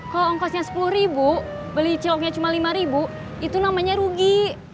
kalau ongkosnya rp sepuluh beli ciloknya cuma rp lima itu namanya rugi